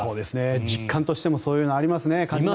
実感としてもそういうのがありますね。